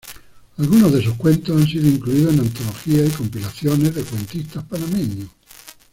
Algunos de sus cuentos han sido incluidos en antologías y compilaciones de cuentistas panameños.